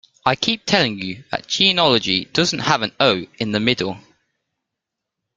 I keep telling you that genealogy doesn't have an ‘o’ in the middle.